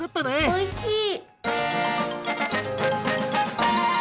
おいしい！